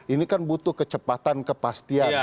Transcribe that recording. ini kan butuh kecepatan kepastian